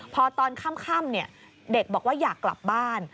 พอตอนค่ำเด็กบอกว่าอยากกลับบ้าน